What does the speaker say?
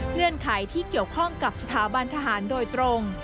เงื่อนไขที่เกี่ยวข้องกับสถาบันทหารโดยตรง